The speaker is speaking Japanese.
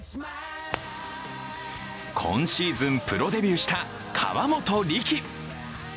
今シーズン、プロデビューした河本力。